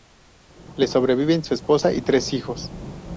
Le sobreviven su esposa y tres hijos.